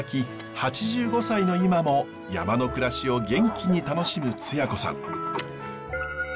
８５歳の今も山の暮らしを元気に楽しむつや子さん。